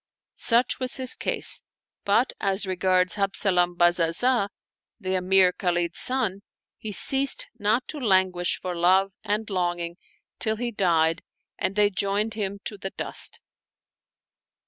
Such was his case; but as regards Habzalam Bazazah, the Emir Khalid's son, he ceased not to languish for love and longing till he died and they joined him to the dust.